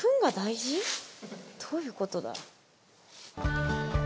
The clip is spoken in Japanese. どういうことだ？